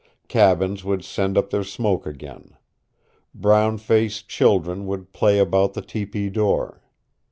Cabins would send up their smoke again. Brown faced children would play about the tepee door.